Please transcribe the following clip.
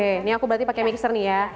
oke ini aku berarti pakai mixer nih ya